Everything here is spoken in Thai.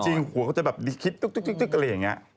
จริงหัวเขาจะแบบคิดตุ๊กก็เลยอย่างนี้